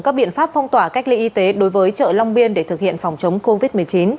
các biện pháp phong tỏa cách ly y tế đối với chợ long biên để thực hiện phòng chống covid một mươi chín